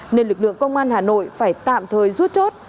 nên lực lượng công an hà nội phải tạm thời rút chốt